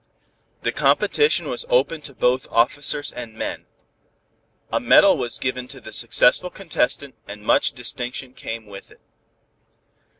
The competition was open to both officers and men. A medal was given to the successful contestant, and much distinction came with it.